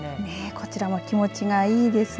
こちらも気持ちがいいですね。